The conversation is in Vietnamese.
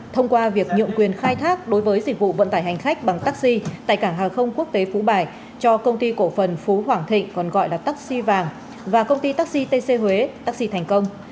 thông qua việc nhượng quyền khai thác đối với dịch vụ vận tải hành khách bằng taxi tại cảng hàng không quốc tế phú bài cho công ty cổ phần phú hoàng thịnh còn gọi là taxi vàng và công ty taxi tc huế taxi thành công